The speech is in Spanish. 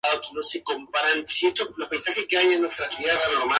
En años posteriores, Greg se convertiría en editor en jefe de la revista "Tintín".